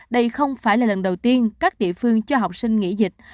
đây không phải là lần đầu tiên các địa phương cho học sinh nghỉ dịch